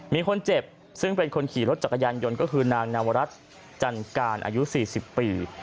มีคนเจ็บซึ่งเป็นคนขี่รถจักรยานยนต์ก็คือนางนวรัฐจันการอายุ๔๐ปี